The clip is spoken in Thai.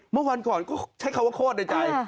เมื่อวันก่อนก็ใช้คำว่าโคตรในใจ